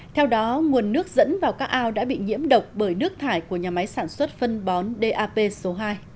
theo đó nguồn nước dẫn vào các ao đã bị nhiễm độc bởi nước thải của nhà máy sản xuất phân bón dap số hai